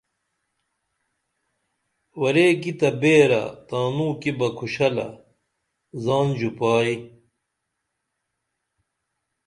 ورے کی تہ بیرہ تانوں کی بہ کُھوشلہ زان ژوپائی